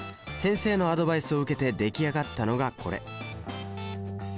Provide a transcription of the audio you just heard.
先生のアドバイスを受けて出来上がったのがこれ。